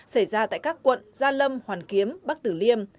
xảy ra tại các quận gia lâm hoàn kiếm bắc tử liêm